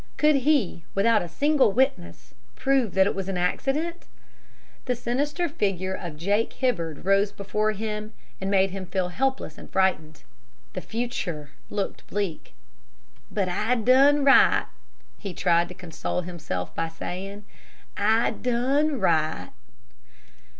Could he, without a single witness, prove that it was an accident? The sinister figure of Jake Hibbard rose before him, and made him feel helpless and frightened. The future looked black. "But I done right," he tried to console himself by saying. "I done right."